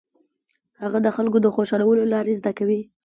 هغه د خلکو د خوشالولو لارې زده کوي.